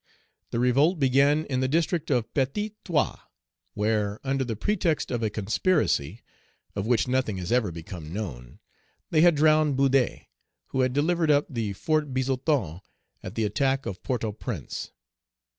The revolt began in the district of Petit Troux, where, under the pretext of a conspiracy, of which nothing has ever become known, they had drowned Boudet, who had delivered up the Fort Bizoton at the attack of Port au Prince.